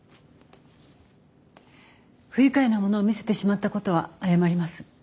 不愉快なものを見せてしまったことは謝ります。